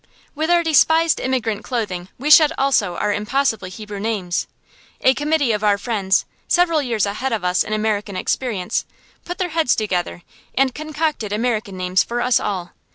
With our despised immigrant clothing we shed also our impossible Hebrew names. A committee of our friends, several years ahead of us in American experience, put their heads together and concocted American names for us all.